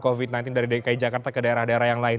covid sembilan belas dari dki jakarta ke daerah daerah yang lain